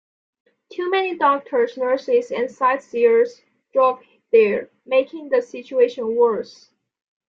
Too many doctors, nurses and sightseers drove there, making the situation worse.